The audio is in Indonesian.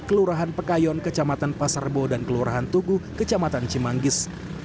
kelurahan pekayon kecamatan pasarbo dan kelurahan tugu kecamatan cimanggis